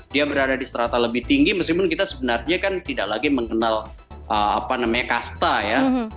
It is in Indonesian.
dia berada di serata lebih tinggi meskipun kita sebenarnya kan tidak lagi mengenal apa namanya kasta ya